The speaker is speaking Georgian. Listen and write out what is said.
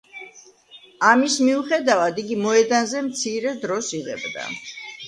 ამის მიუხედავად, იგი მოედანზე მცირე დროს იღებდა.